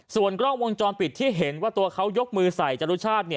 ส่วนกล้องวงจรปิดที่เห็นว่าตัวเขายกมือใส่จรุชาติ